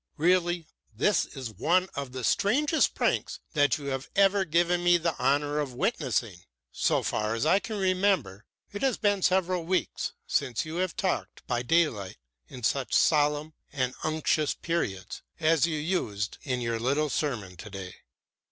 Really, this is one of the strangest pranks that you have ever given me the honor of witnessing; so far as I can remember, it has been several weeks since you have talked by daylight in such solemn and unctuous periods as you used in your little sermon today.